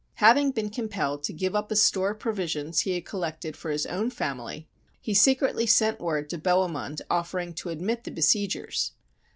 Having been compelled to give up a store of provisions he had collected for his own family, he secretly sent word to Bohemund offering to admit the besiegers.